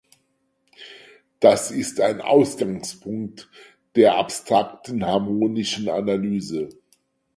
Das ist ein Ausgangspunkt der abstrakten harmonischen Analyse.